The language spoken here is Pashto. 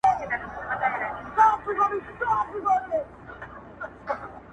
صبر په هر څه کي په کار دی-